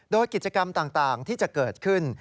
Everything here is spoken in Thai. โดยกิจกรรมต่างที่จะเกิดขึ้น